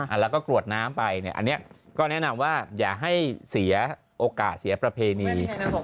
แล้วก็กรวดน้ำไปเนี่ยอันนี้ก็แนะนำว่าอย่าให้เสียโอกาสเสียประเพณี